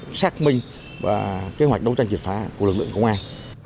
do công tác xác minh và kế hoạch đấu tranh triệt phá của lực lượng công an